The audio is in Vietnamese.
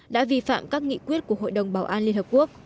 đã vi phạm các nghị quyết của hội đồng bảo an liên minh